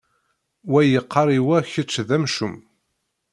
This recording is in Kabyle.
Wa yeqqar i wa kečč d amcum.